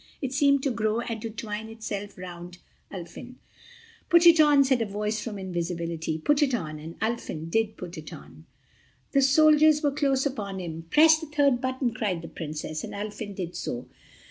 It seemed to grow and to twine itself round Ulfin. "Put it on," said a voice from invisibility, "put it on," and Ulfin did put it on. The soldiers were close upon him. "Press the third button," cried the Princess, and Ulfin did so.